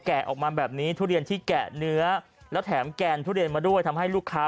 ออกมาแบบนี้ทุเรียนที่แกะเนื้อแล้วแถมแกนทุเรียนมาด้วยทำให้ลูกค้า